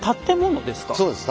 そうです。